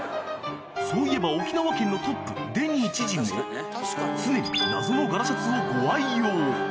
そういえば沖縄県のトップデニー知事も常に謎の柄シャツをご愛用